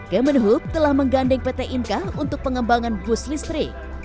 kemenhub telah menggandeng pt inka untuk pengembangan bus listrik